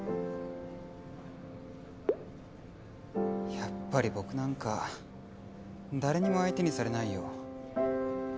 やっぱり僕なんか誰にも相手にされないよ。